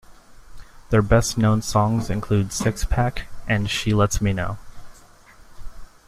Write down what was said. Their best known songs include "Six Pack" and "She Lets Me Know".